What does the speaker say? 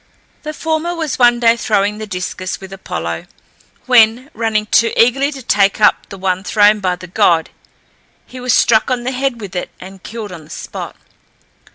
The former was one day throwing the discus with Apollo, when, running too eagerly to take up the one thrown by the god, he was struck on the head with it and killed on the spot.